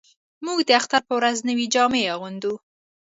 موږ د اختر په ورځ نوې جامې اغوندو